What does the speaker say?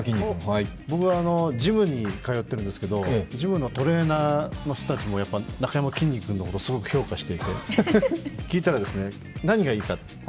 僕はジムに通っているんですけどジムのトレーナーの人たちもやっぱり、なかやまきんに君のことすごく評価していて、聞いたら、何がいいか。